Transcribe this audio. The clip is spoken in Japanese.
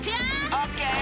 オッケー！